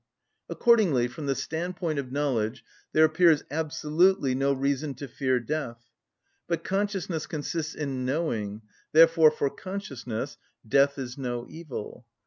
Accordingly from the standpoint of knowledge there appears absolutely no reason to fear death. But consciousness consists in knowing; therefore, for consciousness death is no evil.